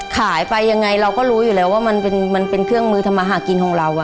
ขายไปยังไงเราก็รู้อยู่แล้วว่ามันเป็นเครื่องมือทำมาหากินของเรา